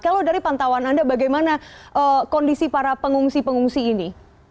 kalau dari pantauan anda bagaimana kondisi para pengungsi pengungsi ini